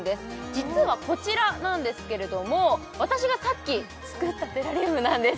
実はこちらなんですけれども私がさっき作ったテラリウムなんです